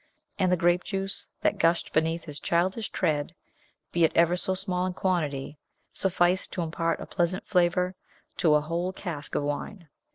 And the grape juice that gushed beneath his childish tread, be it ever so small in quantity, sufficed to impart a pleasant flavor to a whole cask of wine.